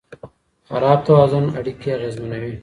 خراب توازن اړیکې اغېزمنوي.